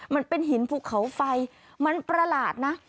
มันเป็นหินภูเขาไฟมันประหลาดนะ